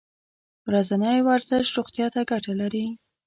ورځنی ورزش روغتیا ته ګټه لري.